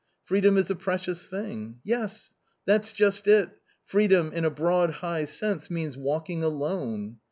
Freedom is a precious thing ! Yes ! that's just it ; freedom in a broad high sense means — walking alone